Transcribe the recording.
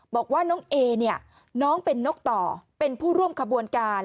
บอกว่าน้องเอเนี่ยน้องเป็นนกต่อเป็นผู้ร่วมขบวนการ